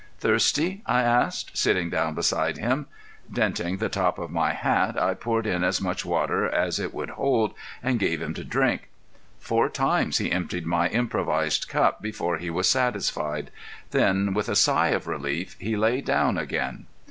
"Thirsty?" I asked, sitting down beside him. Denting the top of my hat I poured in as much water as it would hold and gave him to drink. Four times he emptied my improvised cup before he was satisfied. Then with a sigh of relief he lay down again.